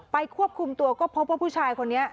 ควบคุมตัวก็พบว่าผู้ชายคนนี้